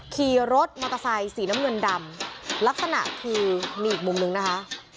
ขี่รถมอเตอร์ไซค์สีน้ำเงินดำลักษณะคือมีอีกมุมนึงนะคะ